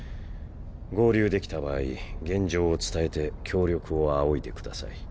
合流できた場合現状を伝えて協力を仰いでください。